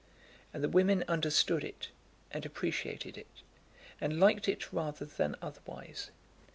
And the women understood it and appreciated it, and liked it rather than otherwise.